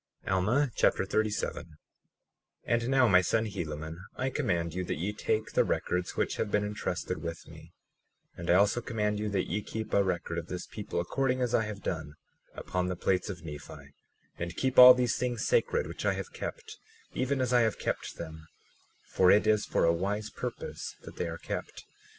Alma Chapter 37 37:1 And now, my son Helaman, I command you that ye take the records which have been entrusted with me; 37:2 And I also command you that ye keep a record of this people, according as I have done, upon the plates of Nephi, and keep all these things sacred which I have kept, even as I have kept them; for it is for a wise purpose that they are kept.